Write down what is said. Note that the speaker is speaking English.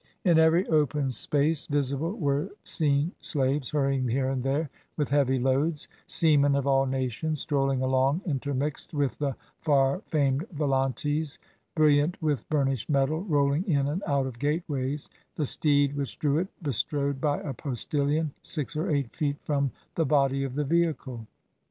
In every open space visible were seen slaves hurrying here and there with heavy loads, seamen of all nations strolling along intermixed with the far famed volantes, brilliant with burnished metal, rolling in and out of gateways, the steed which drew it, bestrode by a postillion, six or eight feet from the body of the vehicle.